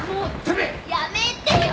やめてよ